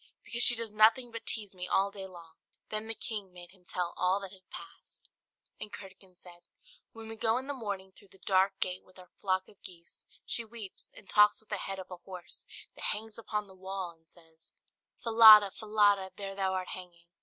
"Because she does nothing but tease me all day long." Then the king made him tell all that had passed. And Curdken said, "When we go in the morning through the dark gate with our flock of geese, she weeps, and talks with the head of a horse that hangs upon the wall, and says "'Falada, Falada, there thou art hanging!'"